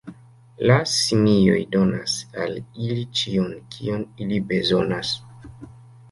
La simioj donas al ili ĉion, kion ili bezonas.